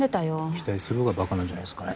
期待するほうがばかなんじゃないっすかね。